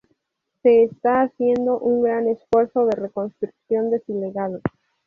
se está haciendo un gran esfuerzo de reconstrucción de su legado